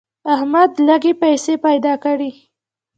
احمد لږې پیسې پیدا کړې.